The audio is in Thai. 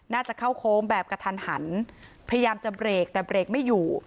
น่าจะเข้าโค้งแบบกระทันหันพยายามจะเบรกแต่เบรกไม่อยู่